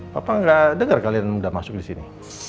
papa gak denger kalian udah masuk disini